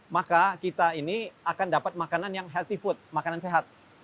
maka kita ini akan dapat makanan yang healthy food makanan sehat